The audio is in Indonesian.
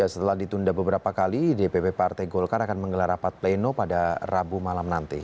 setelah ditunda beberapa kali dpp partai golkar akan menggelar rapat pleno pada rabu malam nanti